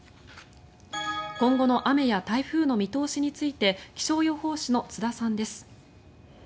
今後の雨や台風の見通しについて気象予報士の津田さんです。